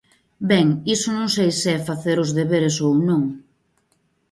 Ben, iso non sei se é facer os deberes ou non.